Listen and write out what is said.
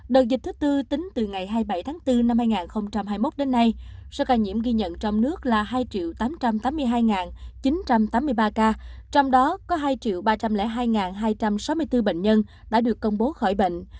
đợt dịch thứ tư tính từ ngày hai mươi bảy tháng bốn năm hai nghìn hai mươi một đến nay số ca nhiễm ghi nhận trong nước là hai tám trăm tám mươi hai chín trăm tám mươi ba ca trong đó có hai ba trăm linh hai hai trăm sáu mươi bốn bệnh nhân đã được công bố khỏi bệnh